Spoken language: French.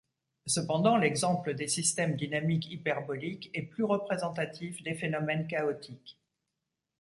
Cependant, l'exemple des systèmes dynamiques hyperboliques est plus représentatif des phénomènes chaotiques.